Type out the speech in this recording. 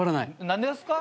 何ですか？